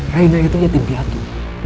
raina itu yatim piatu